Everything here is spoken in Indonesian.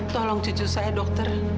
tolong cucu saya dokter